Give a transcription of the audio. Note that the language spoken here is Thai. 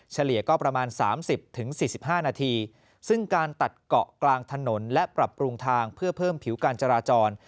เฉลี่ยก็ประมาณ๓๐๔๕นาทีซึ่งการตัดเกาะกลางถนนและปรับปรุงทางเพื่อเพิ่มผิวการจราจร